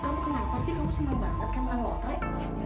kamu kenapa sih kamu senang banget kan nganglotai